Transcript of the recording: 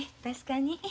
確かに。